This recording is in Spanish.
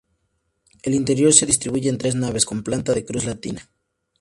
El interior se distribuye en tres naves con planta de cruz latina.